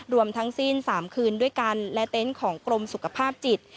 รวมทั้งสิ้น๓คืนด้วยกันและเต็นต์ของกรมสุขภาพจิต